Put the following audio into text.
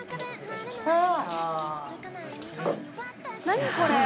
何これ！